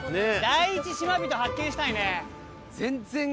第一島人発見したいね。